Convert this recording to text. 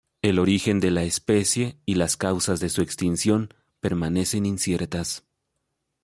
El origen de la especie y las causas de su extinción permanecen inciertas.